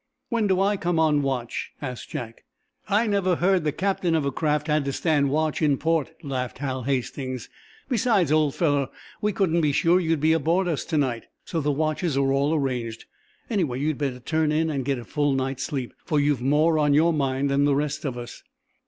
"When do I come on watch?" asked Jack. "I never heard the captain of a craft had to stand watch in port," laughed Hal Hastings "Besides, old fellow, we couldn't be sure you'd be aboard to night. So the watches are all arranged. Anyway, you'd better turn in and get a full night's sleep, for you've more on your mind than the rest of us."